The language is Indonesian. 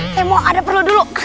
saya mau ada perlu dulu